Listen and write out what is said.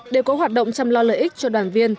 đều có hoạt động chăm lo lợi ích cho đoàn viên